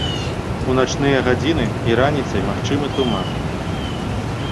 У начныя гадзіны і раніцай магчымы туман.